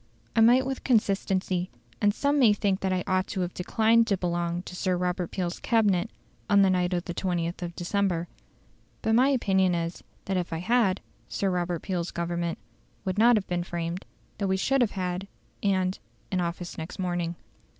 I might with consistency, and some may think that I ought to have declined to belong to Sir Robert Peel's Cabinet on the night of the 20th of December. But my opinion is, that if I had, Sir Robert Peel's Government would not have been framed; that we should have had and in office next morning.